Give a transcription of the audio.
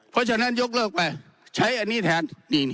เพราะฉะนั้นยกเลิกไปใช้อันนี้แทน